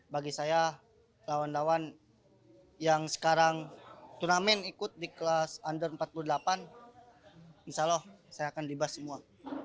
bagi saya lawan lawan yang sekarang turnamen ikut di kelas under empat puluh delapan insya allah saya akan dibahas semua